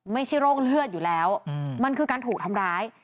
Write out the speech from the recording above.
ไม่ใช่โรคเลือดอยู่แล้วมันคือการถูกทำร้าย